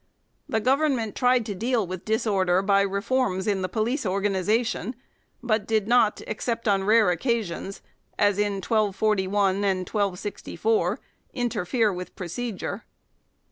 The Govern ment tried to deal with disorder by reforms in the police organization, but did not except on rare oc casions, as in 1241 and 1264 interfere with procedure.